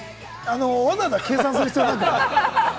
わざわざ計算する必要はない！